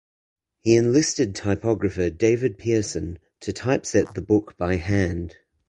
He enlisted typographer David Pearson to typeset the book by hand.